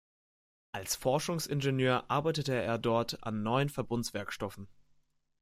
Als Forschungsingenieur arbeitete er dort an neuen Verbundwerkstoffen.